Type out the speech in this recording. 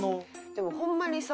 でもホンマにさ